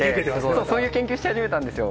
そういう研究し始めたんですよ。